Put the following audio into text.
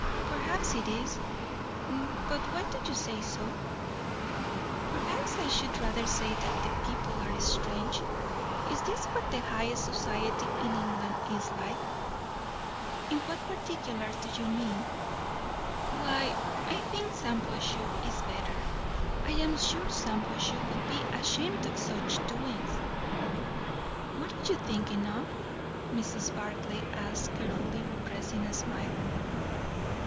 "Perhaps it is. But why do you say so?" "Perhaps I should rather say that the people are strange. Is this what the highest society in England is like?" "In what particulars, do you mean?" "Why, I think Shampuashuh is better. I am sure Shampuashuh would be ashamed of such doings." "What are you thinking of?" Mrs. Barclay asked, carefully repressing a smile.